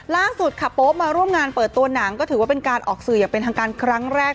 ล่าสุดค่ะโป๊มาร่วมงานเปิดตัวหนังก็ถือว่าเป็นการออกสื่ออย่างเป็นทางการครั้งแรก